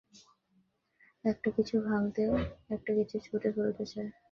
একটা কিছু ভাঙতে, একটা কিছু ছিঁড়ে ফেলতে চায়।